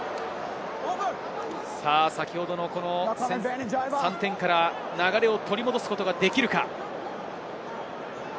先ほどの３点から流れを取り戻すことができるか。